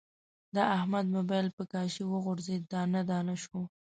د احمد مبایل په کاشي و غورځید، دانه دانه شو.